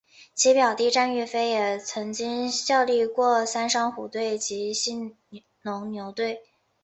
其表弟战玉飞也曾经效力过三商虎队及兴农牛队。